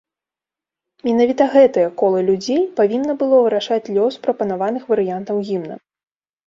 Менавіта гэтае кола людзей павінна было вырашаць лёс прапанаваных варыянтаў гімна.